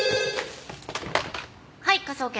はい科捜研。